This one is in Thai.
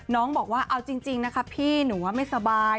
น้องบอกว่าเอาจริงนะคะพี่หนูว่าไม่สบาย